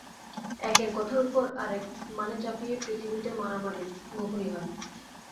একের কথার উপর আরের মানে চাপিয়েই পৃথিবীতে মারামারি খুনোখুনি হয়।